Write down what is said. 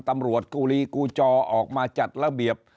ตำรวจกูลีกูจอออกมาจัดระเบียบ